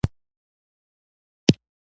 بيړه وکړئ او د زما د لور غم وخورئ.